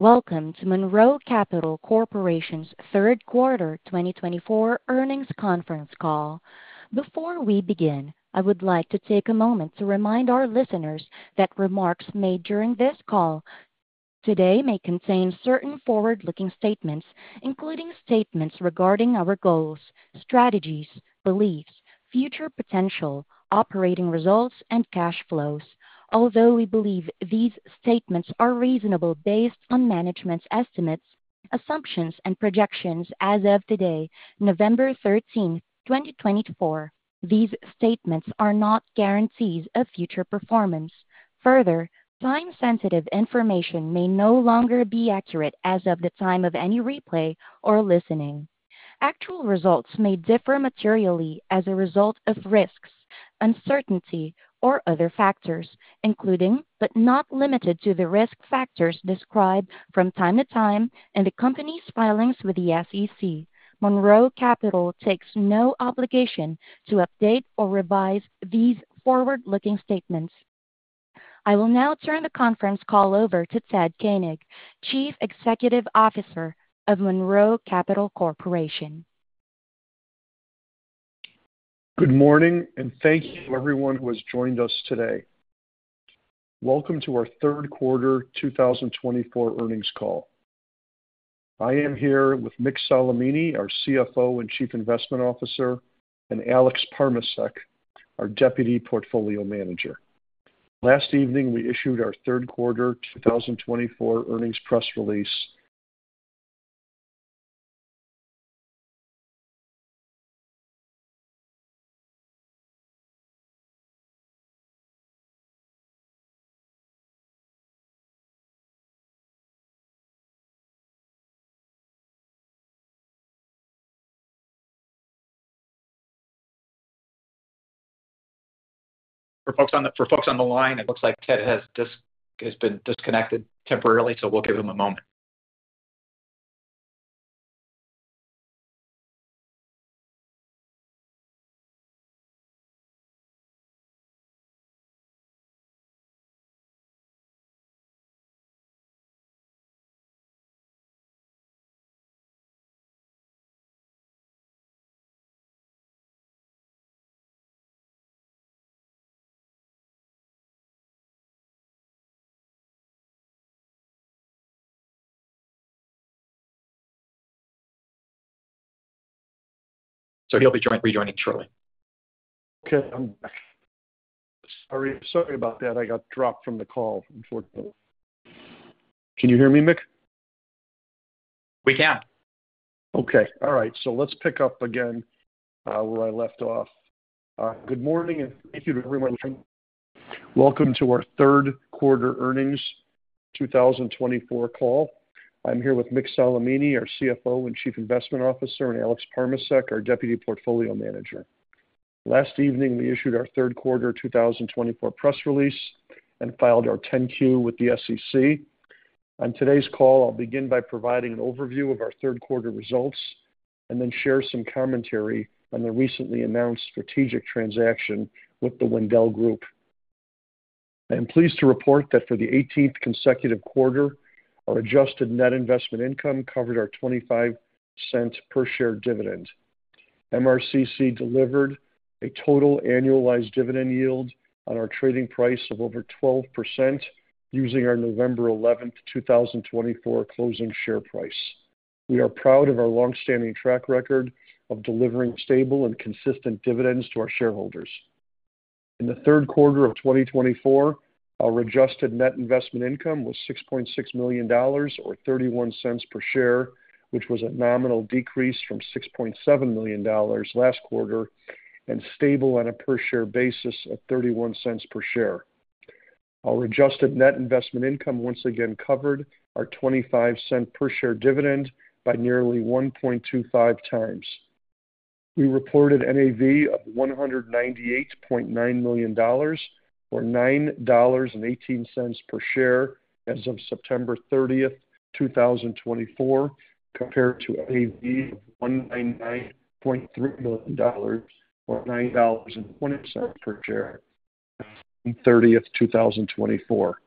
Welcome to Monroe Capital Corporation's third quarter 2024 earnings conference call. Before we begin, I would like to take a moment to remind our listeners that remarks made during this call today may contain certain forward-looking statements, including statements regarding our goals, strategies, beliefs, future potential, operating results, and cash flows. Although we believe these statements are reasonable based on management's estimates, assumptions, and projections as of today, November 13, 2024, these statements are not guarantees of future performance. Further, time-sensitive information may no longer be accurate as of the time of any replay or listening. Actual results may differ materially as a result of risks, uncertainty, or other factors, including, but not limited to, the risk factors described from time to time in the company's filings with the SEC. Monroe Capital takes no obligation to update or revise these forward-looking statements. I will now turn the conference call over to Ted Koenig, Chief Executive Officer of Monroe Capital Corporation. Good morning, and thank you, everyone who has joined us today. Welcome to our third quarter 2024 earnings call. I am here with Mick Solimene, our CFO and Chief Investment Officer, and Alex Parmacek, our Deputy Portfolio Manager. Last evening, we issued our third quarter 2024 earnings press release. For folks on the line, it looks like Ted has been disconnected temporarily, so we'll give him a moment. So he'll be rejoining shortly. Okay. I'm back. Sorry about that. I got dropped from the call, unfortunately. Can you hear me, Mick? We can. Okay. All right. Let's pick up again where I left off. Good morning, and thank you to everyone. Welcome to our third quarter earnings 2024 call. I'm here with Mick Solimene, our CFO and Chief Investment Officer, and Alex Parmacek, our Deputy Portfolio Manager. Last evening, we issued our third quarter 2024 press release and filed our 10-Q with the SEC. On today's call, I'll begin by providing an overview of our third quarter results and then share some commentary on the recently announced strategic transaction with the Wendel Group. I am pleased to report that for the 18th consecutive quarter, our adjusted net investment income covered our $0.25 per share dividend. MRCC delivered a total annualized dividend yield on our trading price of over 12% using our November 11th, 2024, closing share price. We are proud of our long-standing track record of delivering stable and consistent dividends to our shareholders. In the third quarter of 2024, our adjusted net investment income was $6.6 million or $0.31 per share, which was a nominal decrease from $6.7 million last quarter and stable on a per-share basis of $0.31 per share. Our adjusted net investment income once again covered our $0.25 per share dividend by nearly 1.25 times. We reported a NAV of $198.9 million or $9.18 per share as of September 30th, 2024, compared to a NAV of $199.3 million or $9.20 per share as of June 30th, 2024.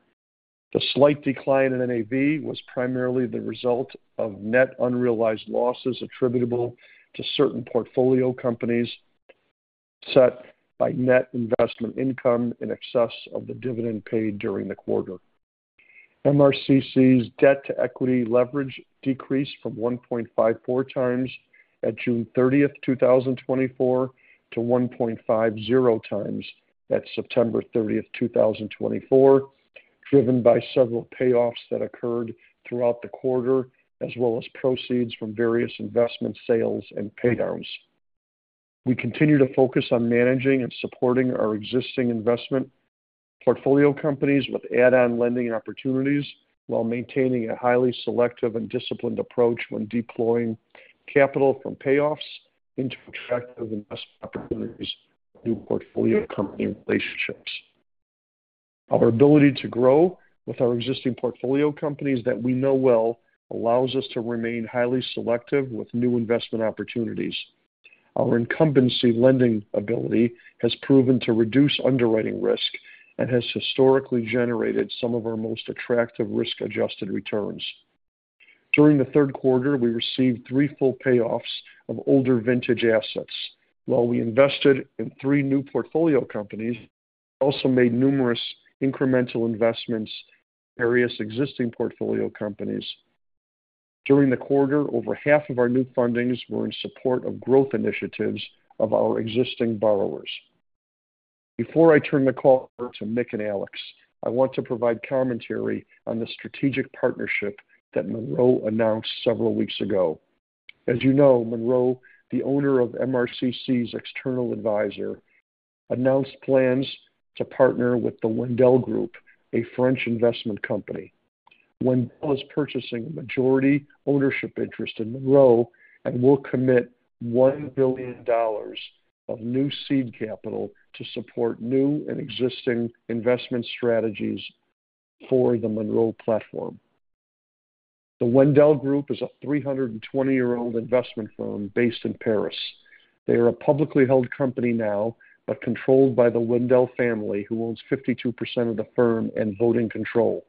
The slight decline in NAV was primarily the result of net unrealized losses attributable to certain portfolio companies offset by net investment income in excess of the dividend paid during the quarter. MRCC's debt-to-equity leverage decreased from 1.54 times at June 30th, 2024, to 1.50 times at September 30th, 2024, driven by several payoffs that occurred throughout the quarter, as well as proceeds from various investment sales and paydowns. We continue to focus on managing and supporting our existing investment portfolio companies with add-on lending opportunities while maintaining a highly selective and disciplined approach when deploying capital from payoffs into attractive investment opportunities with new portfolio company relationships. Our ability to grow with our existing portfolio companies that we know well allows us to remain highly selective with new investment opportunities. Our incumbency lending ability has proven to reduce underwriting risk and has historically generated some of our most attractive risk-adjusted returns. During the third quarter, we received three full payoffs of older vintage assets. While we invested in three new portfolio companies, we also made numerous incremental investments in various existing portfolio companies. During the quarter, over half of our new fundings were in support of growth initiatives of our existing borrowers. Before I turn the call over to Mick and Alex, I want to provide commentary on the strategic partnership that Monroe announced several weeks ago. As you know, Monroe, the owner of MRCC's external advisor, announced plans to partner with the Wendel Group, a French investment company. Wendel is purchasing majority ownership interest in Monroe and will commit $1 billion of new seed capital to support new and existing investment strategies for the Monroe platform. The Wendel Group is a 320-year old investment firm based in Paris. They are a publicly held company now, but controlled by the Wendel family, who owns 52% of the firm and voting control.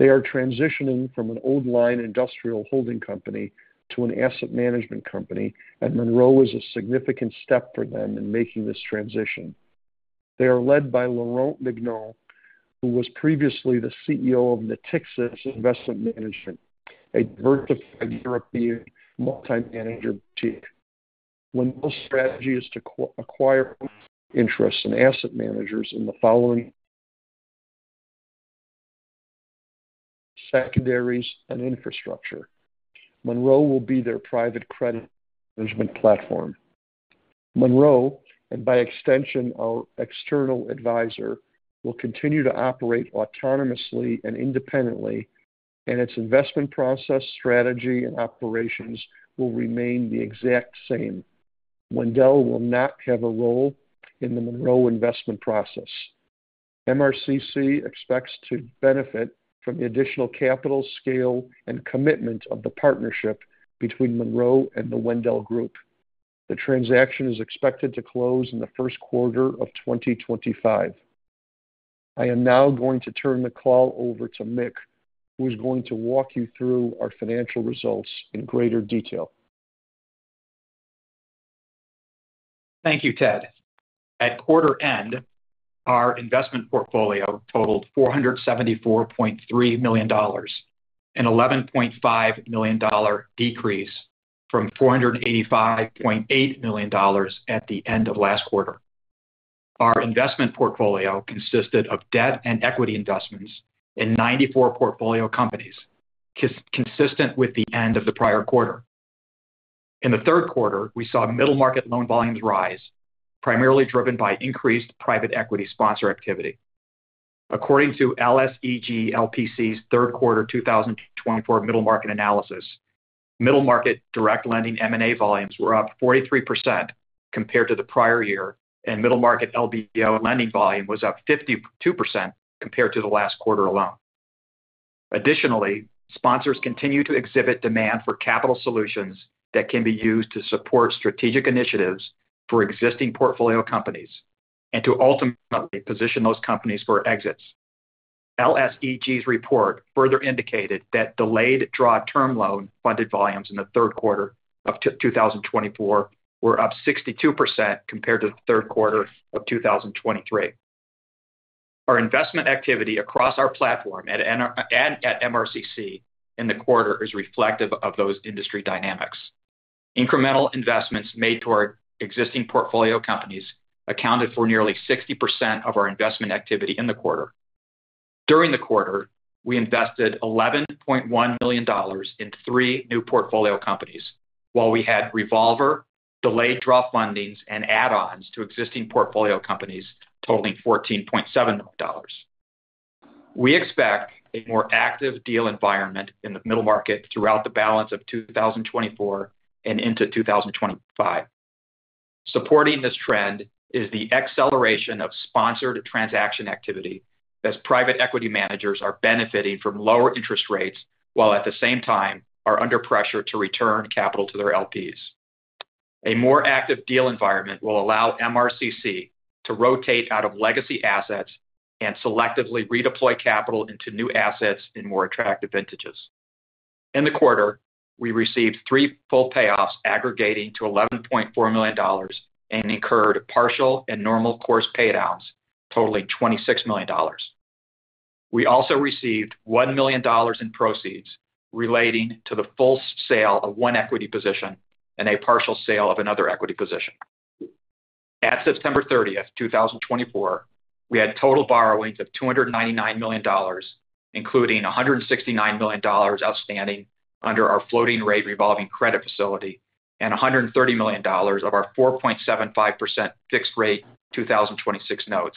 They are transitioning from an old-line industrial holding company to an asset management company, and Monroe is a significant step for them in making this transition. They are led by Laurent Mignon, who was previously the CEO of Natixis Investment Management, a diversified European multi-manager boutique. Wendel's strategy is to acquire interests and asset managers in the following: secondaries and infrastructure. Monroe will be their private credit management platform. Monroe, and by extension, our external advisor, will continue to operate autonomously and independently, and its investment process, strategy, and operations will remain the exact same. Wendel will not have a role in the Monroe investment process. MRCC expects to benefit from the additional capital, scale, and commitment of the partnership between Monroe and the Wendel Group. The transaction is expected to close in the first quarter of 2025. I am now going to turn the call over to Mick, who is going to walk you through our financial results in greater detail. Thank you, Ted. At quarter end, our investment portfolio totaled $474.3 million, an $11.5 million decrease from $485.8 million at the end of last quarter. Our investment portfolio consisted of debt and equity investments in 94 portfolio companies, consistent with the end of the prior quarter. In the third quarter, we saw middle market loan volumes rise, primarily driven by increased private equity sponsor activity. According to LSEG LPC's third quarter 2024 middle market analysis, middle market direct lending M&A volumes were up 43% compared to the prior year, and middle market LBO lending volume was up 52% compared to the last quarter alone. Additionally, sponsors continue to exhibit demand for capital solutions that can be used to support strategic initiatives for existing portfolio companies and to ultimately position those companies for exits. LSEG's report further indicated that delayed draw term loan funded volumes in the third quarter of 2024 were up 62% compared to the third quarter of 2023. Our investment activity across our platform and at MRCC in the quarter is reflective of those industry dynamics. Incremental investments made toward existing portfolio companies accounted for nearly 60% of our investment activity in the quarter. During the quarter, we invested $11.1 million in three new portfolio companies, while we had revolver, delayed draw fundings, and add-ons to existing portfolio companies totaling $14.7 million. We expect a more active deal environment in the middle market throughout the balance of 2024 and into 2025. Supporting this trend is the acceleration of sponsored transaction activity, as private equity managers are benefiting from lower interest rates while at the same time are under pressure to return capital to their LPs. A more active deal environment will allow MRCC to rotate out of legacy assets and selectively redeploy capital into new assets in more attractive vintages. In the quarter, we received three full payoffs aggregating to $11.4 million and incurred partial and normal course paydowns totaling $26 million. We also received $1 million in proceeds relating to the full sale of one equity position and a partial sale of another equity position. At September 30th, 2024, we had total borrowings of $299 million, including $169 million outstanding under our floating rate revolving credit facility and $130 million of our 4.75% fixed rate 2026 notes.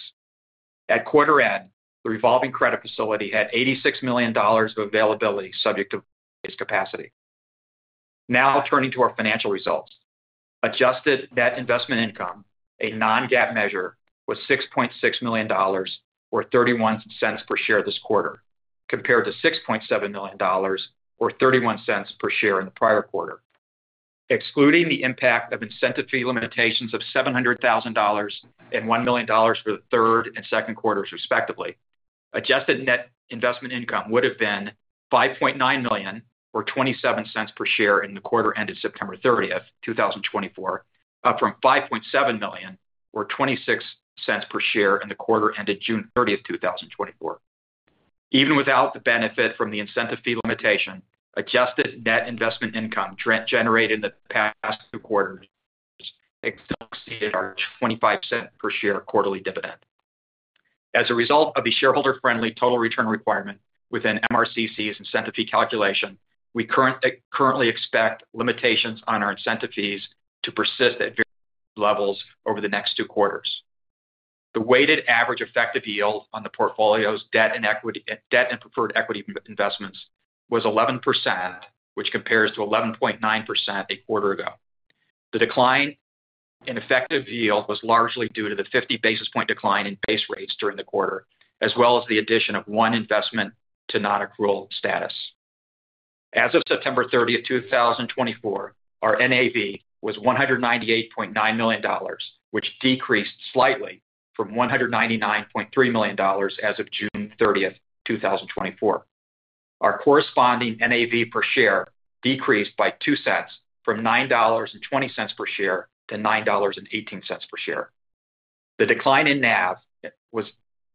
At quarter end, the revolving credit facility had $86 million of availability subject to capacity. Now turning to our financial results, adjusted net investment income, a non-GAAP measure, was $6.6 million or $0.31 per share this quarter, compared to $6.7 million or $0.31 per share in the prior quarter. Excluding the impact of incentive fee limitations of $700,000 and $1 million for the third and second quarters, respectively, adjusted net investment income would have been $5.9 million or $0.27 per share in the quarter ended September 30th, 2024, up from $5.7 million or $0.26 per share in the quarter ended June 30th, 2024. Even without the benefit from the incentive fee limitation, adjusted net investment income generated in the past two quarters exceeded our $0.25 per share quarterly dividend. As a result of the shareholder-friendly total return requirement within MRCC's incentive fee calculation, we currently expect limitations on our incentive fees to persist at various levels over the next two quarters. The weighted average effective yield on the portfolio's debt and preferred equity investments was 11%, which compares to 11.9% a quarter ago. The decline in effective yield was largely due to the 50 basis point decline in base rates during the quarter, as well as the addition of one investment to non-accrual status. As of September 30th, 2024, our NAV was $198.9 million, which decreased slightly from $199.3 million as of June 30th, 2024. Our corresponding NAV per share decreased by 2 cents from $9.20 per share to $9.18 per share. The decline in NAV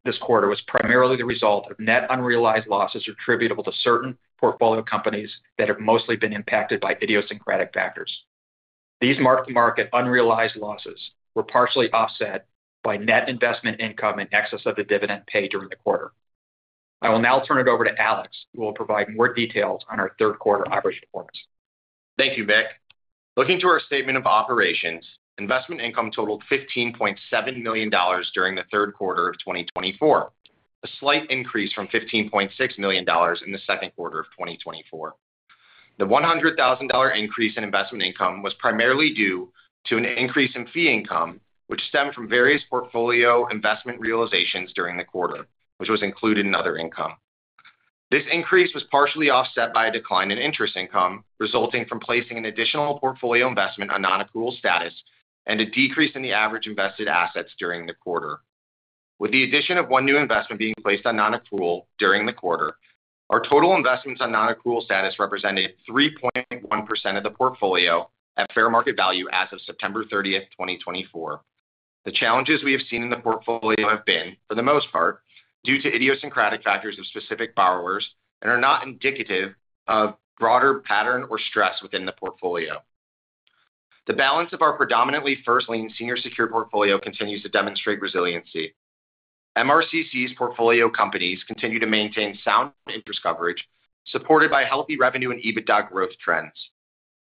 this quarter was primarily the result of net unrealized losses attributable to certain portfolio companies that have mostly been impacted by idiosyncratic factors. These mark-to-market unrealized losses were partially offset by net investment income in excess of the dividend paid during the quarter. I will now turn it over to Alex, who will provide more details on our third quarter average performance. Thank you, Mick. Looking to our statement of operations, investment income totaled $15.7 million during the third quarter of 2024, a slight increase from $15.6 million in the second quarter of 2024. The $100,000 increase in investment income was primarily due to an increase in fee income, which stemmed from various portfolio investment realizations during the quarter, which was included in other income. This increase was partially offset by a decline in interest income resulting from placing an additional portfolio investment on non-accrual status and a decrease in the average invested assets during the quarter. With the addition of one new investment being placed on non-accrual during the quarter, our total investments on non-accrual status represented 3.1% of the portfolio at fair market value as of September 30th, 2024. The challenges we have seen in the portfolio have been, for the most part, due to idiosyncratic factors of specific borrowers and are not indicative of broader pattern or stress within the portfolio. The balance of our predominantly first-lien, senior-secured portfolio continues to demonstrate resiliency. MRCC's portfolio companies continue to maintain sound interest coverage, supported by healthy revenue and EBITDA growth trends.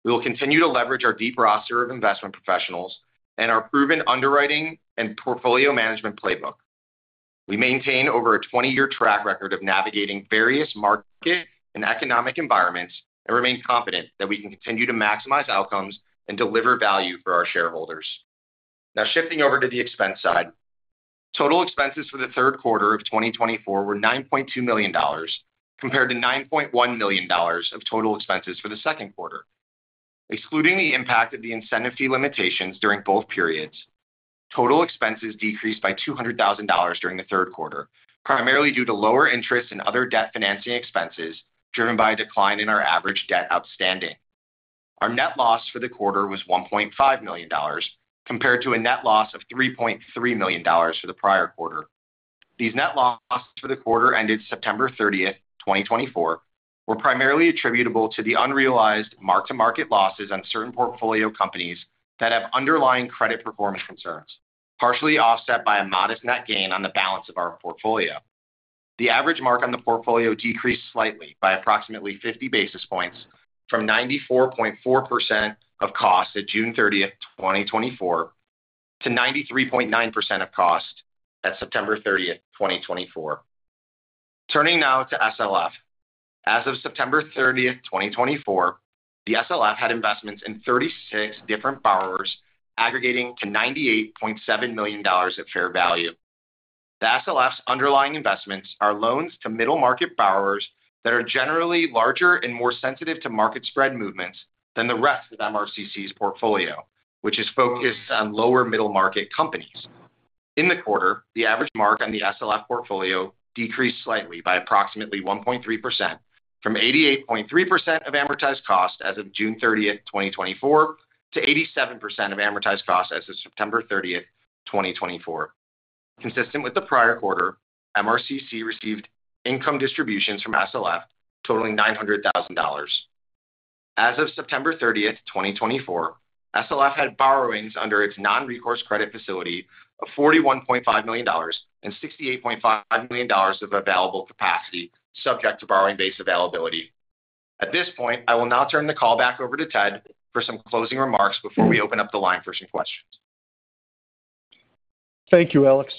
We will continue to leverage our deep roster of investment professionals and our proven underwriting and portfolio management playbook. We maintain over a 20-year track record of navigating various market and economic environments and remain confident that we can continue to maximize outcomes and deliver value for our shareholders. Now, shifting over to the expense side, total expenses for the third quarter of 2024 were $9.2 million, compared to $9.1 million of total expenses for the second quarter. Excluding the impact of the incentive fee limitations during both periods, total expenses decreased by $200,000 during the third quarter, primarily due to lower interest and other debt financing expenses driven by a decline in our average debt outstanding. Our net loss for the quarter was $1.5 million, compared to a net loss of $3.3 million for the prior quarter. These net losses for the quarter ended September 30th, 2024, were primarily attributable to the unrealized mark-to-market losses on certain portfolio companies that have underlying credit performance concerns, partially offset by a modest net gain on the balance of our portfolio. The average mark on the portfolio decreased slightly by approximately 50 basis points from 94.4% of cost at June 30th, 2024, to 93.9% of cost at September 30th, 2024. Turning now to SLF. As of September 30th, 2024, the SLF had investments in 36 different borrowers aggregating to $98.7 million of fair value. The SLF's underlying investments are loans to middle market borrowers that are generally larger and more sensitive to market spread movements than the rest of MRCC's portfolio, which is focused on lower middle market companies. In the quarter, the average mark on the SLF portfolio decreased slightly by approximately 1.3% from 88.3% of amortized cost as of June 30th, 2024, to 87% of amortized cost as of September 30th, 2024. Consistent with the prior quarter, MRCC received income distributions from SLF totaling $900,000. As of September 30th, 2024, SLF had borrowings under its non-recourse credit facility of $41.5 million and $68.5 million of available capacity, subject to borrowing-based availability. At this point, I will now turn the call back over to Ted for some closing remarks before we open up the line for some questions. Thank you, Alex.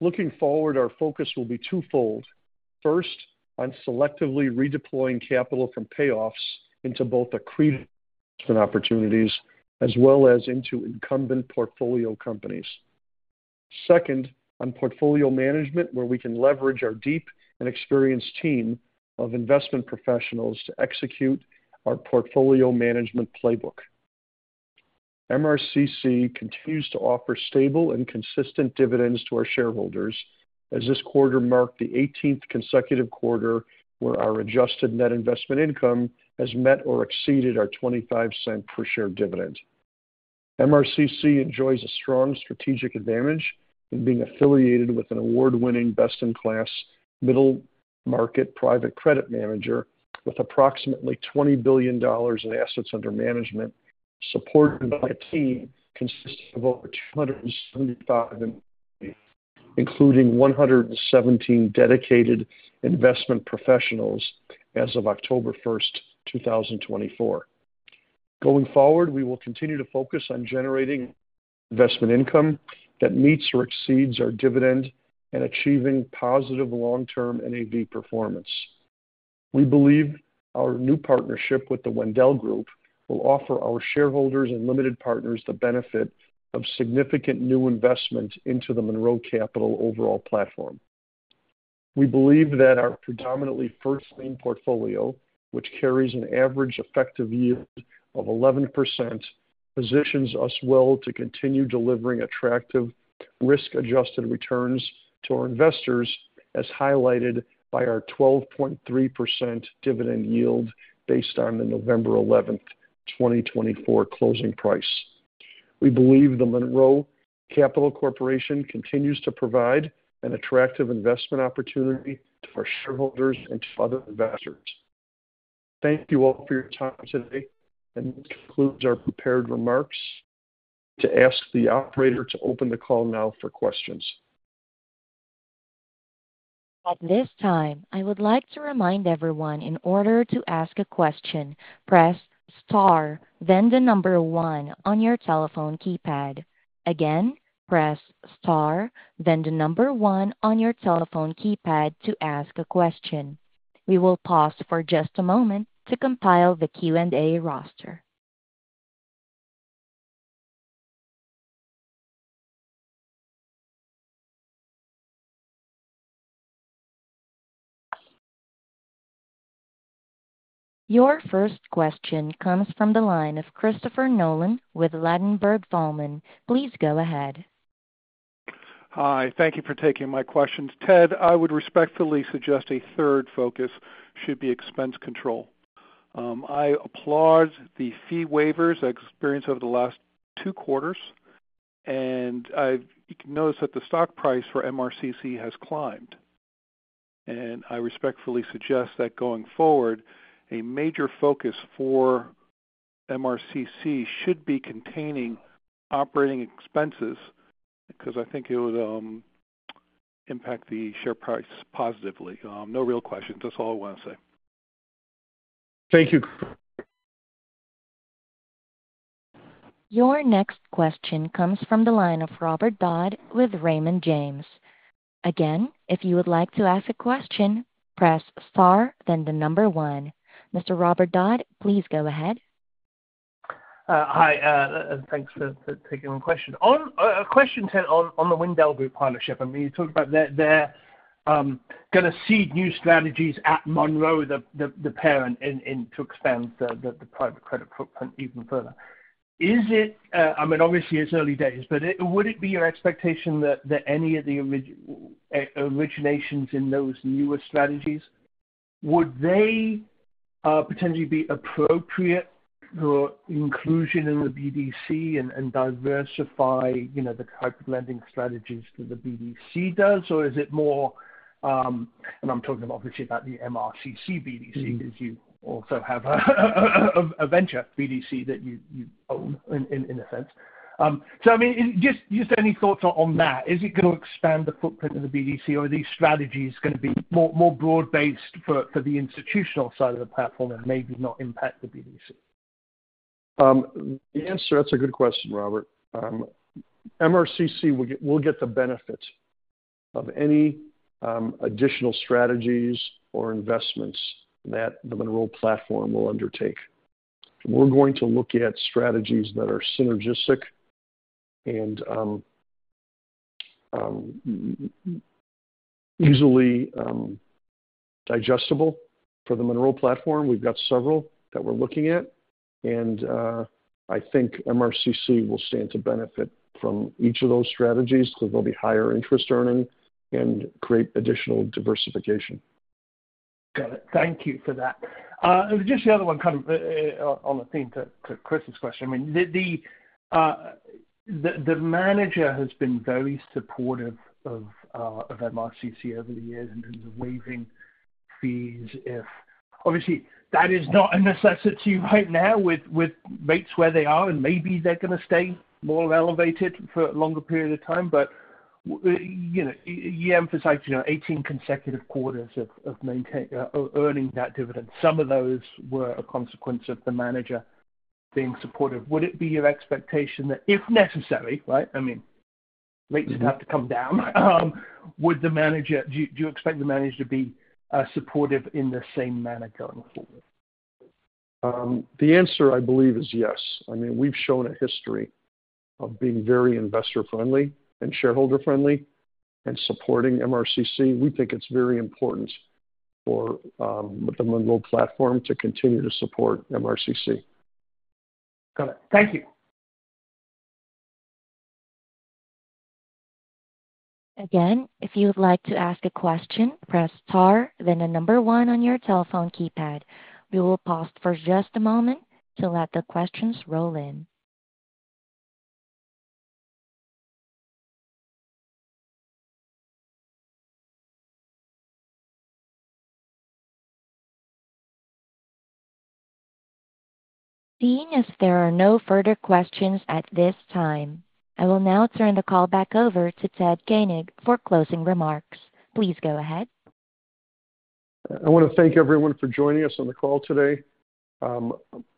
Looking forward, our focus will be twofold. First, on selectively redeploying capital from payoffs into both accretive investment opportunities as well as into incumbency portfolio companies. Second, on portfolio management, where we can leverage our deep and experienced team of investment professionals to execute our portfolio management playbook. MRCC continues to offer stable and consistent dividends to our shareholders, as this quarter marked the 18th consecutive quarter where our adjusted net investment income has met or exceeded our $0.25 per share dividend. MRCC enjoys a strong strategic advantage in being affiliated with an award-winning best-in-class middle market private credit manager with approximately $20 billion in assets under management, supported by a team consisting of over 275 employees, including 117 dedicated investment professionals as of October 1st, 2024. Going forward, we will continue to focus on generating investment income that meets or exceeds our dividend and achieving positive long-term NAV performance. We believe our new partnership with the Wendel Group will offer our shareholders and limited partners the benefit of significant new investment into the Monroe Capital overall platform. We believe that our predominantly first-lien portfolio, which carries an average effective yield of 11%, positions us well to continue delivering attractive risk-adjusted returns to our investors, as highlighted by our 12.3% dividend yield based on the November 11th, 2024, closing price. We believe the Monroe Capital Corporation continues to provide an attractive investment opportunity to our shareholders and to other investors. Thank you all for your time today, and this concludes our prepared remarks. I'd like to ask the operator to open the call now for questions. At this time, I would like to remind everyone in order to ask a question, press star, then the number one on your telephone keypad. Again, press star, then the number one on your telephone keypad to ask a question. We will pause for just a moment to compile the Q&A roster. Your first question comes from the line of Christopher Nolan with Ladenburg Thalmann. Please go ahead. Hi. Thank you for taking my questions. Ted, I would respectfully suggest a third focus should be expense control. I applaud the fee waivers I experienced over the last two quarters, and I've noticed that the stock price for MRCC has climbed, and I respectfully suggest that going forward, a major focus for MRCC should be containing operating expenses because I think it would impact the share price positively. No real questions. That's all I want to say. Thank you. Your next question comes from the line of Robert Dodd with Raymond James. Again, if you would like to ask a question, press star, then the number one. Mr. Robert Dodd, please go ahead. Hi. Thanks for taking my question. Question, Ted, on the WendelGroup partnership. I mean, you talked about they're going to seed new strategies at Monroe, the parent, to expand the private credit footprint even further. I mean, obviously, it's early days, but would it be your expectation that any of the originations in those newer strategies, would they potentially be appropriate for inclusion in the BDC and diversify the type of lending strategies that the BDC does, or is it more, and I'm talking obviously about the MRCC BDC because you also have a venture BDC that you own in a sense? So I mean, just any thoughts on that. Is it going to expand the footprint of the BDC, or are these strategies going to be more broad-based for the institutional side of the platform and maybe not impact the BDC? The answer, that's a good question, Robert. MRCC will get the benefit of any additional strategies or investments that the Monroe platform will undertake. We're going to look at strategies that are synergistic and easily digestible for the Monroe platform. We've got several that we're looking at, and I think MRCC will stand to benefit from each of those strategies because they'll be higher interest earning and create additional diversification. Got it. Thank you for that. Just the other one kind of on the theme to Chris's question. I mean, the manager has been very supportive of MRCC over the years in terms of waiving fees. Obviously, that is not a necessity right now with rates where they are, and maybe they're going to stay more elevated for a longer period of time, but you emphasized 18 consecutive quarters of earning that dividend. Some of those were a consequence of the manager being supportive. Would it be your expectation that if necessary, right? I mean, rates would have to come down. Would the manager do you expect the manager to be supportive in the same manner going forward? The answer, I believe, is yes. I mean, we've shown a history of being very investor-friendly and shareholder-friendly and supporting MRCC. We think it's very important for the Monroe platform to continue to support MRCC. Got it. Thank you. Again, if you would like to ask a question, press star, then the number one on your telephone keypad. We will pause for just a moment to let the questions roll in. Seeing as there are no further questions at this time, I will now turn the call back over to Ted Koenig for closing remarks. Please go ahead. I want to thank everyone for joining us on the call today.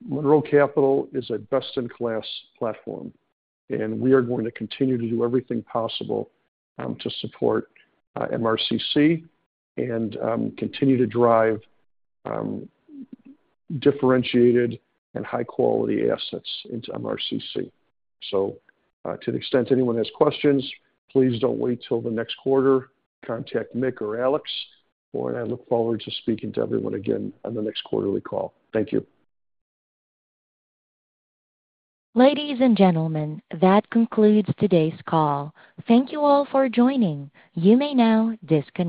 Monroe Capital is a best-in-class platform, and we are going to continue to do everything possible to support MRCC and continue to drive differentiated and high-quality assets into MRCC. So to the extent anyone has questions, please don't wait till the next quarter. Contact Mick or Alex, and I look forward to speaking to everyone again on the next quarterly call. Thank you. Ladies and gentlemen, that concludes today's call. Thank you all for joining. You may now disconnect.